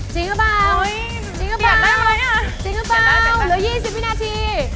จริงป่าวจริงป่าวจริงป่าวเหลือ๒๐วินาที